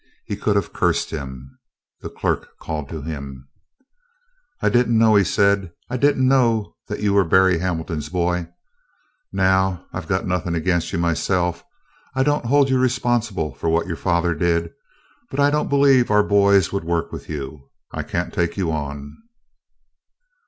He could have cursed him. The clerk called to him. "I did n't know," he said, "I did n't know that you were Berry Hamilton's boy. Now, I 've got nothing against you myself. I don't hold you responsible for what your father did, but I don't believe our boys would work with you. I can't take you on."